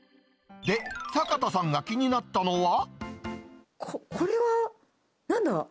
で、坂田さんが気になったのこ、これはなんだ？